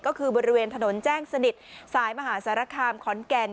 ก็คือบริเวณถนนแจ้งสนิทสายมหาสารคามขอนแก่น